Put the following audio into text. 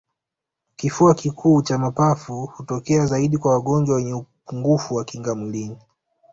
kifua kikuu cha mapafu hutokea zaidi kwa wagonjwa wenye upungufu wa kinga mwilini